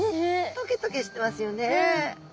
トゲトゲしてますよね！